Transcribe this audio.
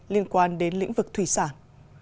liên quan đến lĩnh vực thủy sản